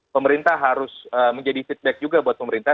pemerintah harus menjadi feedback juga buat pemerintah